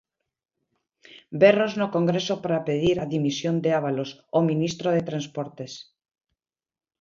Berros no Congreso para pedir a dimisión de Ábalos, o ministro de Transportes.